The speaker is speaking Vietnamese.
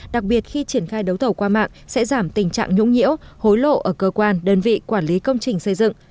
đặc biệt khi triển khai đấu thầu qua mạng sẽ giảm tình trạng nhũng nhiễu hối lộ ở cơ quan đơn vị quản lý công trình xây dựng